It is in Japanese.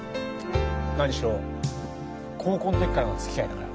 何しろ高校の時からのつきあいだからな。